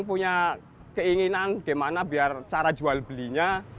punya keinginan bagaimana cara jual belinya